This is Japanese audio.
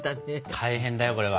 大変だよこれは。